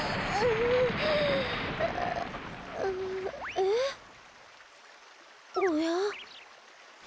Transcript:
えっおや？